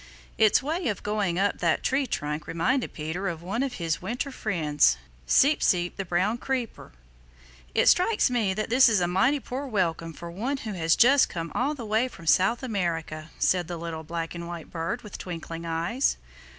Its way of going up that tree trunk reminded Peter of one of his winter friends, Seep Seep the Brown Creeper. "It strikes me that this is a mighty poor welcome for one who has just come all the way from South America," said the little black and white bird with twinkling eyes.